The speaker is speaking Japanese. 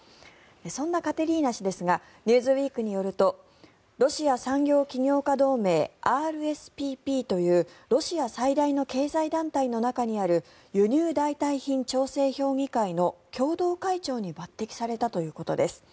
そんなカテリーナ氏ですが「ニューズウィーク」によりますとロシア産業企業家同盟ＲＳＰＰというロシア最大の経済団体の中にある輸入代替品調整評議会の共同会長に抜てきされたということです。